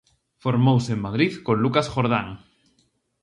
Formouse en Madrid con Lucas Jordán.